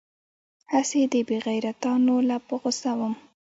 هسې دې بې غيرتانو له په غوسه وم.